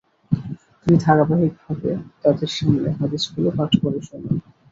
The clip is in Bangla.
তিনি ধারাবাহিকভাবে তাদের সামনে হাদিসগুলো পাঠ করে শোনান।